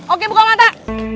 oke buka mata